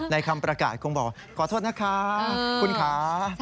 คำประกาศคงบอกขอโทษนะคะคุณค่ะ